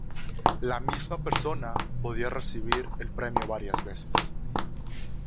La misma persona podía recibir el premio varias veces.